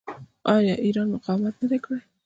آیا ایران مقاومت نه دی کړی؟